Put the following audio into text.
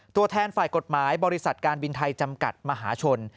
ตัวแทนฝ่ายกฎหมายบริษัทการบินไทยจำกัดมหาชน